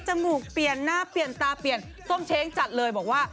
มูกเปลี่ยนหน้าเปลี่ยนตาเปลี่ยนส้มเช้งจัดเลยบอกว่า